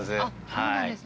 そうなんですね。